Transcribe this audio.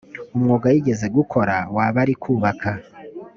umwuga yigeze gukora waba ari kubaka